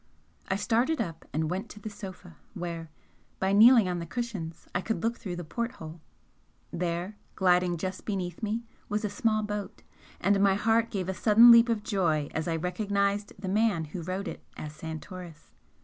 I started up and went to the sofa, where, by kneeling on the cushions. I could look through the porthole. There, gliding just beneath me, was a small boat, and my heart gave a sudden leap of joy as I recognised the man who rowed it as Santoris.